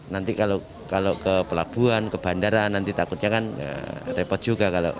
nanti kalau ke pelabuhan ke bandara nanti takutnya kan repot juga